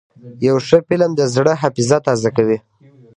یو ښه فلم د زړه حافظه تازه کوي.